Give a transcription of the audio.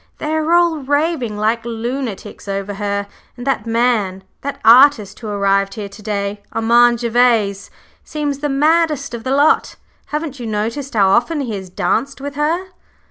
They are all raving like lunatics over her, and that man that artist who arrived here to day, Armand Gervase, seems the maddest of the lot. Haven't you noticed how often he has danced with her?"